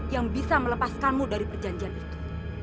yang bisa melepaskanmu dari perjanjian itu